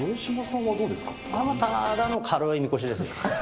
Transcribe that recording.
あの方は軽いみこしです。